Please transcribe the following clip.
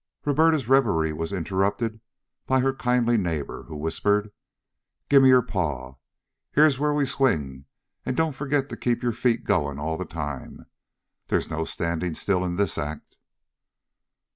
Roberta's reverie was interrupted by her kindly neighbor, who whispered: "Gimme your paw. Here's where we swing, an' don't forget to keep your feet going all the time. There's no standing still in this act."